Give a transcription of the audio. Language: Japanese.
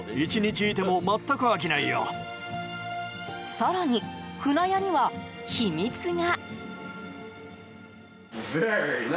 更に舟屋には秘密が。